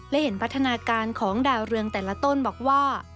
และเห็นพัฒนาการของดาวเรืองแต่ละต้นบอกว่า